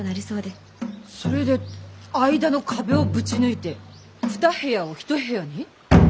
それで間の壁をぶち抜いて２部屋を１部屋に？